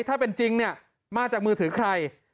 ถ้าเป็นจริงเนี่ยมาจากมือถือใคร